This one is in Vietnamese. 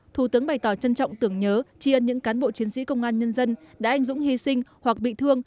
thủ tướng bày tỏ trân trọng tưởng nhớ tri ân những cán bộ chiến sĩ công an nhân dân đã anh dũng hy sinh hoặc bị thương